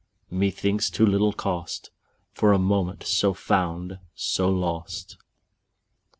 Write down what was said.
_20 5. ......... Methinks too little cost For a moment so found, so lost!